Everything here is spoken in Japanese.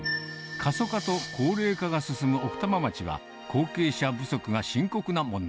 過疎化と高齢化が進む奥多摩町は、後継者不足が深刻な問題。